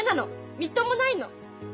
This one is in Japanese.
みっともないの。